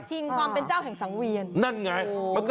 ชิงความเป็นเจ้าแห่งสังเวียน